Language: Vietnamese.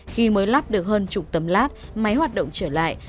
khi mới lắp được hơn chục tấm lát máy hoạt động trở lại